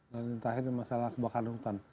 lalu nanti ada masalah kebakaran hutan